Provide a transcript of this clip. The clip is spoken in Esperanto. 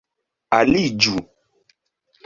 aliĝu